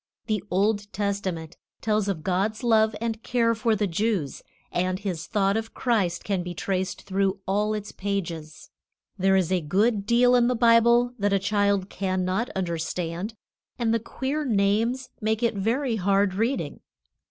The Old Testament tells of God's love and care for the Jews, and His thought of Christ can be traced through all its pages. There is a good deal in the Bible that a child cannot understand, and the queer names make it very hard reading.